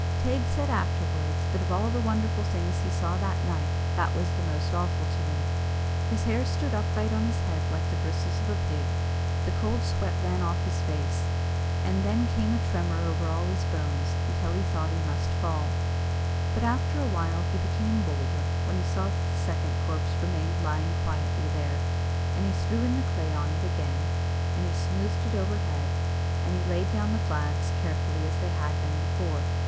Teig said afterwards, that of all the wonderful things he saw that night, that was the most awful to him. His hair stood upright on his head like the bristles of a pig, the cold sweat ran off his face, and then came a tremour over all his bones, until he thought that he must fall. But after a while he became bolder, when he saw that the second corpse remained lying quietly there, and he threw in the clay on it again, and he smoothed it overhead and he laid down the flags carefully as they had been before.